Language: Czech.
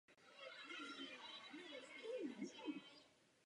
Včera jsem mluvila s Georgem Mitchellem.